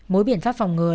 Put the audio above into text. mối biện pháp phòng ngừa